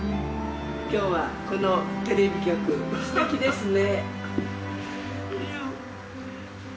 今日はこのテレビ局素敵ですね